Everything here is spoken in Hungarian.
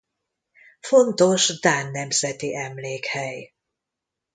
Fontos dán nemzeti emlékhely.